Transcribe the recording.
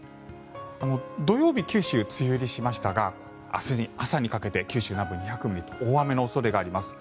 土曜日、九州梅雨入りしましたが明日朝にかけて九州南部、２００ミリと大雨の恐れがあります。